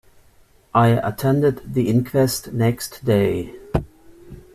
I attended the inquest next day.